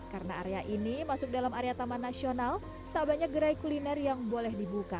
karena area ini masuk dalam area taman nasional tak banyak gerai kuliner yang boleh dibuka